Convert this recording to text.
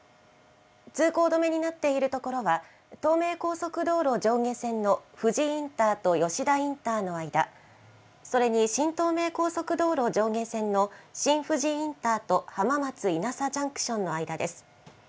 通行止めになっている所は、東名高速道路上下線の富士インターと吉田インターの間、それに新東名高速道路上下線の新富士インターと浜松いなさジャンクションの間です。